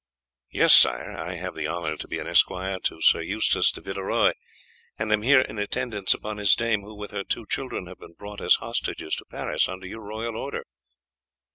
"Yes, sire, I have the honour to be an esquire to Sir Eustace de Villeroy, and am here in attendance upon his dame, who, with her two children, have been brought as hostages to Paris under your royal order."